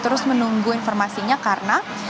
terus menunggu informasinya karena